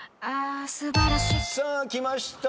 さあきました。